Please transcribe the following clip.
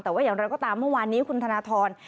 แต่ว่าอย่างไรก็ตามเมื่อวานนี้คุณธนทร